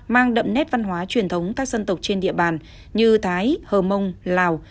mang đậm nét văn hóa truyền thống các dân tộc trên địa bàn như thái hờ mông lào